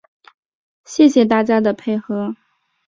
谢谢大家的配合